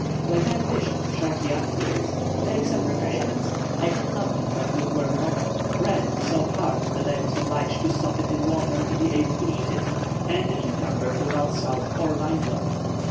When I wished, shortly afterwards, to take some refreshments, I had nothing but lukewarm water, bread so hard that I was obliged to sop it in water to be able to eat it, and a cucumber without salt or vinegar!